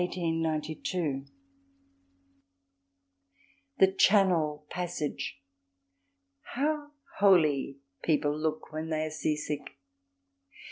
] The Channel Passage How holy people look when they are sea sick!